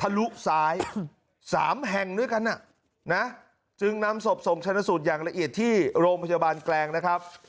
ทะลุซ้าย๓แห่งด้วยกันจึงนำศพส่งชนะสูตรอย่างละเอียดที่โรงพยาบาลแกลงนะครับ